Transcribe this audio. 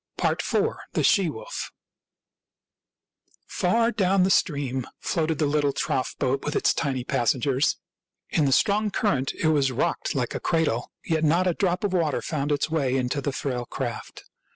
IV. THE SHE WOLF Far down the stream floated the little trough boat with its tiny passengers. In the strong cur rent it was rocked like a cradle, yet not a drop of water found its way into the frail craft.